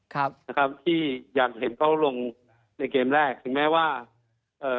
ครับนะครับที่อยากเห็นเขาลงในเกมแรกถึงแม้ว่าเอ่อ